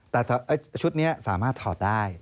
แต่ชุดนี้สามารถถอดได้